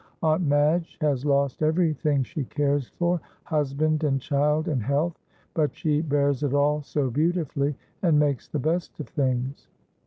Aunt Madge has lost everything she cares for husband and child and health; but she bears it all so beautifully, and makes the best of things.